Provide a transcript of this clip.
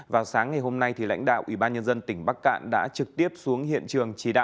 vào sáng ngày hôm nay lãnh đạo ủy ban nhân dân tỉnh bắc cạn đã trực tiếp xuống hiện trường